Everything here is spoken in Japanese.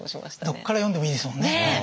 どっから読んでもいいですもんね。